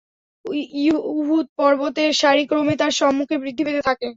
উহুদ পর্বতের সারি ক্রমে তার সম্মুখে বৃদ্ধি পেতে থাকে।